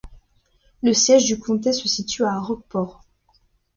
Le siège du comté se situe à Rock Port.